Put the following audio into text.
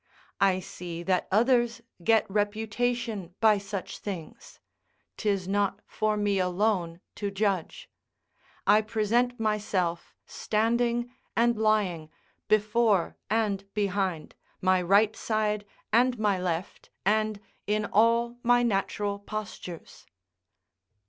I see that others get reputation by such things: 'tis not for me alone to judge. I present myself standing and lying, before and behind, my right side and my left, and, in all my natural postures.